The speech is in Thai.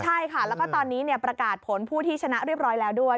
ใช่ค่ะแล้วก็ตอนนี้ประกาศผลผู้ที่ชนะเรียบร้อยแล้วด้วย